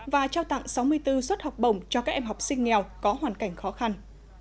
và trao tặng sáu mươi bốn suất học bổng cho các em học sinh nghèo có hoàn cảnh khó khăn